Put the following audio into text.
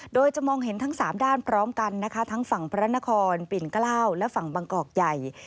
โดยจะมองเห็นทั้ง๓ด้านพร้อมกันนะคะทั้งฝั่งพระนครปิ่นเกล้าและฝั่งบางกอกใหญ่